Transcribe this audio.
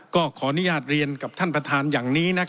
ก็ขออนุญาตเรียนกับท่านประธานอย่างนี้